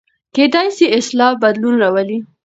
کېدای سي اصلاح بدلون راولي.